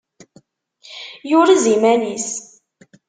Yurez-iman-is.